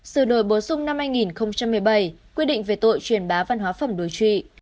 sự đổi bổ sung năm hai nghìn một mươi bảy quy định về tội truyền bá văn hóa phẩm đối trụy